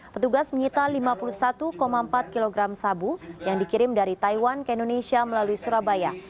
petugas menyita lima puluh satu empat kg sabu yang dikirim dari taiwan ke indonesia melalui surabaya